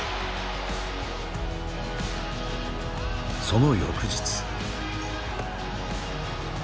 その翌日。